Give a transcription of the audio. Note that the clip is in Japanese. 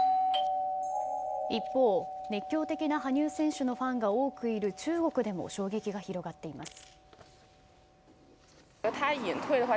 一方、熱狂的な羽生選手のファンが多くいる中国でも衝撃が広がっています。